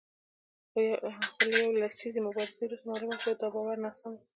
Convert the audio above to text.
خو له یوې لسیزې مبارزې وروسته معلومه شوه چې دا باور ناسم و